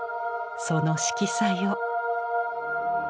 その色彩を。